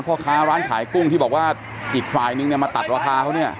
พ่อค้าร้านขายกุ้งที่บอกว่าอีกฝ่ายนึงเนี่ยมาตัดราคาเขาเนี่ย